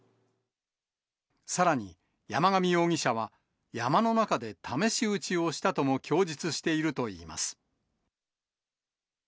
さらに、山上容疑者は、山の中で試し撃ちをしたとも供述しているといいます。